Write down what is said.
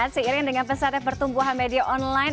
seiring dengan pesatnya pertumbuhan media online